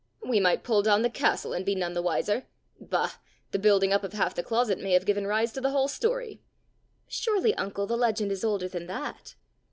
"We might pull down the castle and be none the wiser! Bah! the building up of half the closet may have given rise to the whole story!" "Surely, uncle, the legend is older than that!"